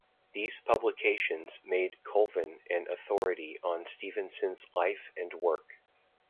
These publications made Colvin an authority on Stevenson's life and work.